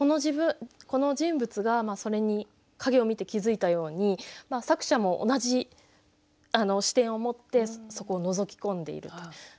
この人物が影を見て気付いたように作者も同じ視点を持ってそこをのぞき込んでいると。